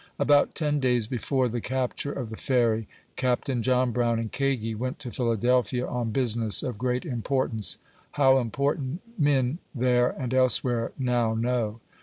AWt ten days before the capture of the Ferry, Captain John Brown and Kagi went to Phila delphia, on 'jusinera of great importance. How important, men there and elsewhere now know.